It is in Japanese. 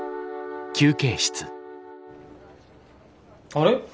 あれ？